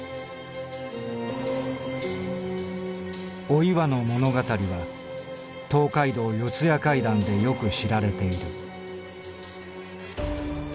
「お岩の物語は『東海道四谷怪談』でよく知られている」。